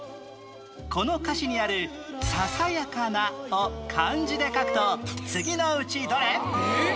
この歌詞にある「ささやかな」を漢字で書くと次のうちどれ？